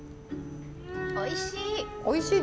おいしい！